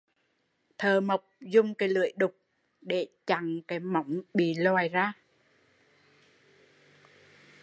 Thợ mộc dùng cái lưỡi đục để chận cái mộng bị lòi ra